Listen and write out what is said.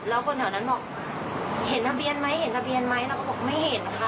แล้วคนแถวนั้นบอกเห็นทะเบียนไหมเห็นทะเบียนไหมเราก็บอกไม่เห็นนะคะ